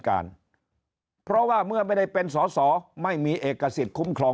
การเพราะว่าเมื่อไม่ได้เป็นสอสอไม่มีเอกสิทธิ์คุ้มครอง